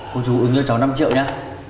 cô chú ứng cho cháu năm triệu nha